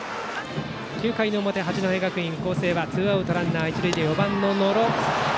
９回表、八戸学院光星はツーアウトランナー、一塁で４番の野呂。